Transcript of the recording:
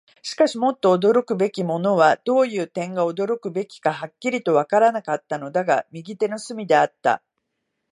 しかし、もっと驚くべきものは、どういう点が驚くべきかははっきりとはわからなかったのだが、右手の隅であった。